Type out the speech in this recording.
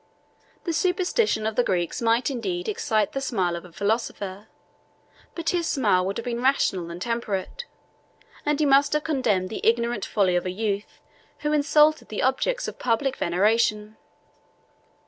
The superstition of the Greeks might indeed excite the smile of a philosopher; but his smile would have been rational and temperate, and he must have condemned the ignorant folly of a youth who insulted the objects of public veneration.